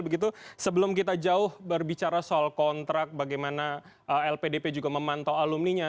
begitu sebelum kita jauh berbicara soal kontrak bagaimana lpdp juga memantau alumninya